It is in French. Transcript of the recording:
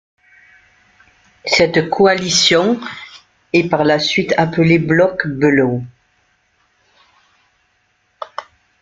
Cette coalition est par la suite appelée bloc Bülow.